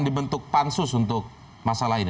dibentuk pansus untuk masalah ini